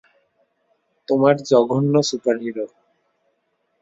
তোমরা জঘন্য সুপারহিরো।